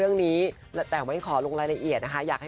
วอนนะคะอยากให้ทุกคนอย่ามาโจมตีเลยนะคะ